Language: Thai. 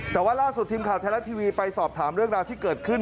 แต่ว่าล่าสุดทีมข่าวไทยรัฐทีวีไปสอบถามเรื่องราวที่เกิดขึ้น